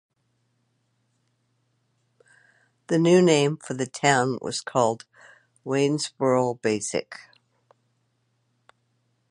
The new name for the town was called Waynesboro-Basic.